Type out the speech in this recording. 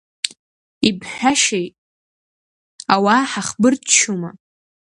Ибҳәашьеи, ауаа ҳахбырччома?!